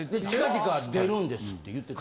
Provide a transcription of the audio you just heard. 近々出るんですって言ってた。